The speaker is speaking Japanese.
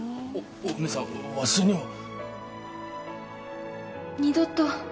お梅さんわしには二度と